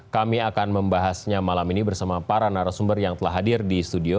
kami akan membahasnya malam ini bersama para narasumber yang telah hadir di studio